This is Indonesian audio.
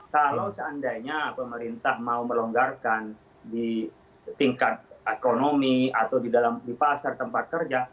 kalau seandainya pemerintah mau melonggarkan di tingkat ekonomi atau di pasar tempat kerja